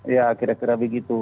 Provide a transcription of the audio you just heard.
ya kira kira begitu